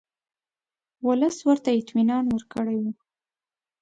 ورلسټ ورته اطمینان ورکړی وو.